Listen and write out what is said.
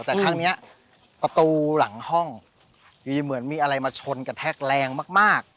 แต่ครั้งนี้ประตูหลังห้องอยู่ดีเหมือนมีอะไรมาชนกระแทกแรงมาก